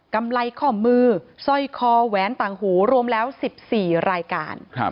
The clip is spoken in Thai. กำไรข้อมือสร้อยคอแหวนต่างหูรวมแล้ว๑๔รายการ